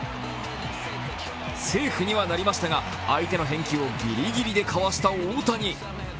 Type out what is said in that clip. セーフにはなりましたが、相手の返球をギリギリでかわした大谷。